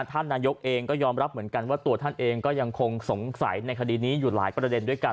ท่านนายกเองก็ยอมรับเหมือนกันว่าตัวท่านเองก็ยังคงสงสัยในคดีนี้อยู่หลายประเด็นด้วยกัน